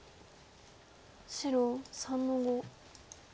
白３の五。